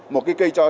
một cái cây cho ra